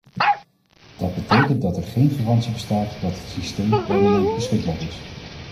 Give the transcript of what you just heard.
Dat betekent dat er geen garantie bestaat dat het systeem permanent beschikbaar is.